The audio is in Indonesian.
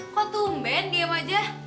kok tumben diem aja